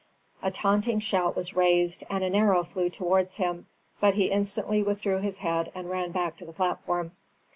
A taunting shout was raised and an arrow flew towards him, but he instantly withdrew his head and ran back to the platform.